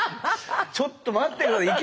ちょっと待って下さい。